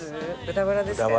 豚バラですか？